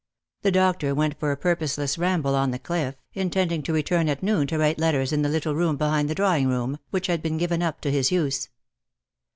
The doctor went for a purposeless ramble on the cliff, intending to return at noon to write letters in the little room behind the drawing room, which had been given up to his use.